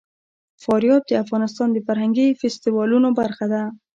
فاریاب د افغانستان د فرهنګي فستیوالونو برخه ده.